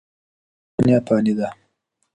دا دنیا فاني ده.